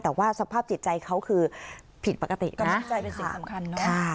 แต่ว่าสภาพจิตใจเขาคือผิดปกติกำลังใจเป็นสิ่งสำคัญเนอะ